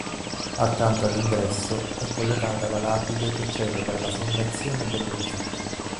Accanto all'ingresso è collocata la lapide che celebra la fondazione dell'edificio.